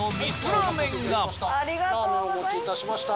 ラーメンお持ちいたしました。